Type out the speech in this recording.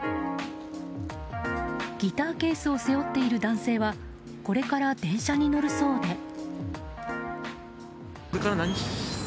ギターケースを背負っている男性はこれから電車に乗るそうで。